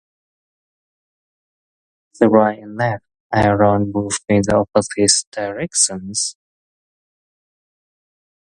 The right and left ailerons move in opposite directions.